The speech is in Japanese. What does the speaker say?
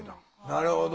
なるほど。